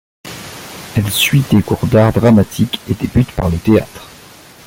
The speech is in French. Elle suit des cours d’art dramatique et débute par le théâtre.